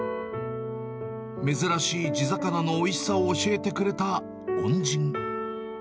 珍しい地魚のおいしさを教えてくれた恩人。